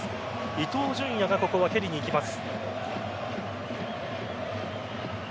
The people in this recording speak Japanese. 伊東純也がここは蹴りにいきます。